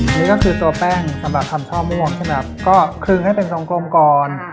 อันนี้ก็คือตัวแป้งสำหรับทำช่อม่วงขึงให้เป็นซองกลมก่อน